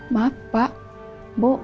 maaf pak bu